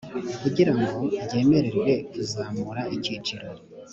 kugirango ryemererwe kuzamura icyiciro